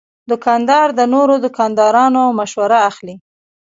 دوکاندار د نورو دوکاندارانو مشوره اخلي.